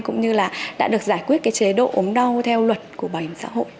cũng như là đã được giải quyết cái chế độ ốm đau theo luật của bảo hiểm xã hội